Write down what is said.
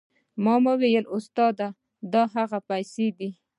ما وويل استاده دا هغه پيسې دي.